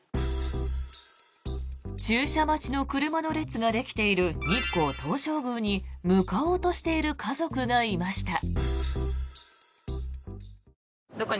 駐車待ちの車の列ができている日光東照宮に向かおうとしている家族がいました。